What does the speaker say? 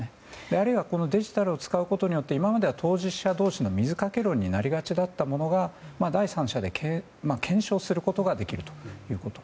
あるいはデジタルを使うことによって今までは当事者同士の水掛け論になりがちだったものが第三者で検証することができるということ。